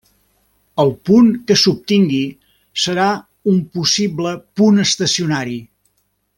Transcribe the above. El punt que s'obtingui serà un possible punt estacionari.